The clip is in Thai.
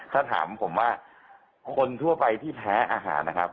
ถ้าถามผมว่าคนทั่วไปที่แพ้อาหารนะครับ